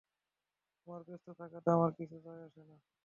তোমার ব্যস্ত থাকাতে আমার কিছু যায় আসে না।